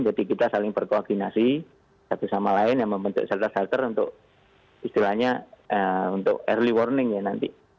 jadi kita saling berkoordinasi satu sama lain yang membentuk shelter shelter untuk istilahnya early warning ya nanti